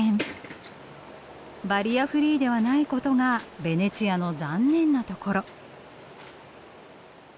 バリアフリーではないことがベネチアの残念なところ。